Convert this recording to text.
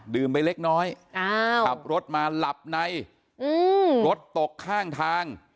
ดื่มไปเล็กน้อยอ้าวขับรถมาหลับในอืมรถตกข้างทาง